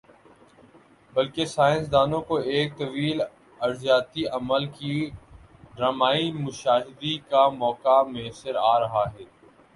بلکہ سائنس دانوں کو ایک طویل ارضیاتی عمل کی ڈرامائی مشاہدی کا موقع میسر آرہا ہی۔